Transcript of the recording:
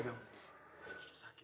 gak ada apa